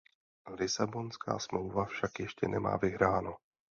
Lisabonská smlouva však ještě nemá vyhráno.